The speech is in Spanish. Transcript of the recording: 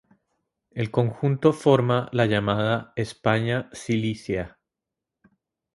El conjunto forma la llamada España silícea.